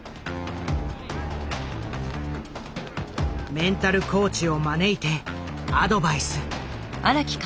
メンタルコーチを招いてアドバイス。